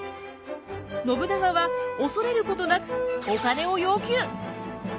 信長は恐れることなくお金を要求！